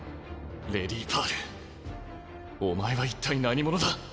レディパールお前は一体何者だ？